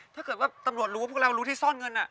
ถ้าเกิดว่าตำรวจรู้ว่าพวกเรารู้ที่ซ่อนเงิน